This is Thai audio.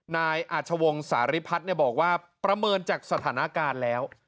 นายอาชวงสาริพัฒน์บอกว่าประเมินจากสถานการณ์แล้ว